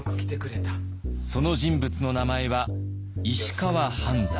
その人物の名前は石川半山。